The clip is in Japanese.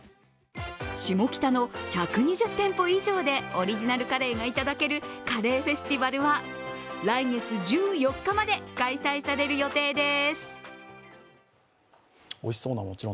シモキタの１２０店舗以上でオリジナルカレーが頂けるカレーフェスティバルは、来月１４日まで開催される予定です。